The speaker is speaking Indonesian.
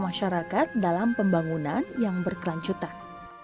masyarakat dalam pembangunan yang berkelanjutan